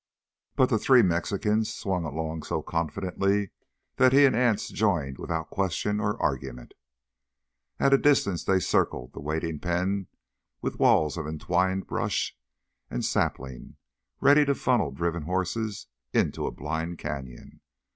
But the three Mexicans swung along so confidently that he and Anse joined without question or argument. At a distance they circled the waiting pen with walls of entwined brush and sapling, ready to funnel driven horses into a blind canyon.